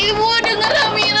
ibu dengar amira